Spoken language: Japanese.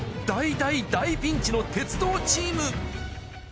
大大大ピンチの鉄道チーム。